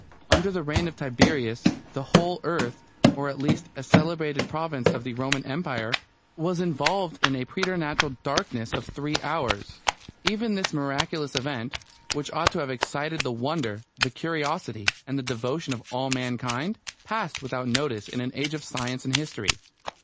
Under the reign of Tiberius the whole earth, or at least a celebrated province of the Roman Empire, was involved in a preternatural darkness of three hours. Even this miraculous event, which ought to have excited the wonder, the curiosity, and the devotion of all mankind, passed without notice in an age of science and history.